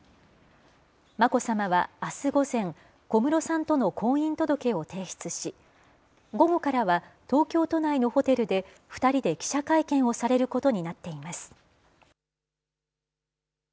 眞子さまはあす午前、小室さんとの婚姻届を提出し、午後からは東京都内のホテルで、２人で記者会見をされることになっています。